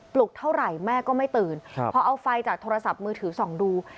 ลุกเท่าไหร่แม่ก็ไม่ตื่นพอเอาไฟจากโทรศัพท์มือถือส่องดู